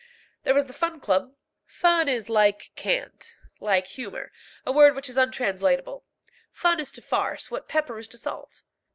There was the Fun Club. Fun is like cant, like humour, a word which is untranslatable. Fun is to farce what pepper is to salt.